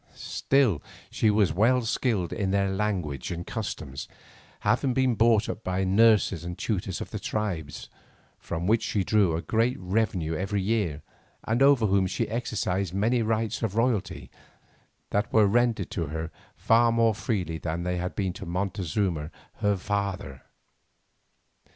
Still, she was well skilled in their language and customs, having been brought up by nurses and tutors of the tribes, from which she drew a great revenue every year and over whom she exercised many rights of royalty that were rendered to her far more freely than they had been to Montezuma her father.